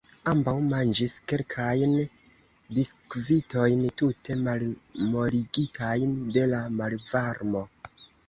Ambaŭ manĝis kelkajn biskvitojn tute malmoligitajn de la malvarmo.